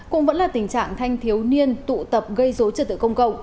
cũng vẫn là tình trạng thanh thiếu niên tụ tập gây dối trật tự công cộng